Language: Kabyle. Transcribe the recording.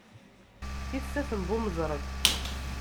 Tissas n Bu Mezreg.